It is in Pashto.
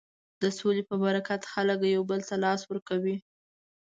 د سولې په برکت خلک یو بل ته لاس ورکوي.